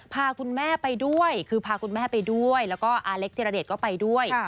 พาคุณแม่ไปด้วยคือพาคุณแม่ไปด้วยแล้วก็อาเล็กธิรเดชก็ไปด้วย